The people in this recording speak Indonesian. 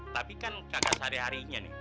tapi kan kakak sehari harinya nih